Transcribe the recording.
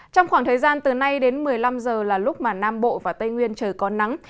trong khoảng thời gian từ nay đến một mươi năm giờ là lúc mà nam bộ và tây nguyên trời có nắng